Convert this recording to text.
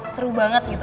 seru banget gitu